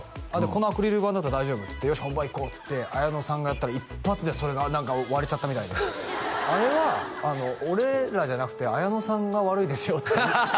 「このアクリル板だったら大丈夫」っつって「よし本番いこう」っつって綾野さんがやったら一発でそれが割れちゃったみたいで「あれは俺らじゃなくて綾野さんが悪いですよ」ってハハハ